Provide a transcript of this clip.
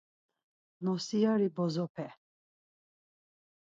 Nosiyari bozope...